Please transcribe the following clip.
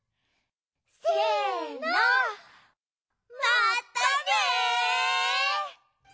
せのまったね！